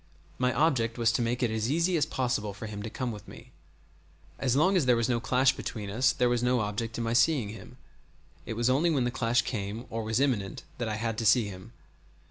My object was to make it as easy as possible for him to come with me. As long as there was no clash between us there was no object in my seeing him; it was only when the clash came or was imminent that I had to see him.